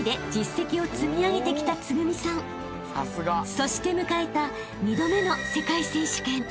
［そして迎えた２度目の世界選手権］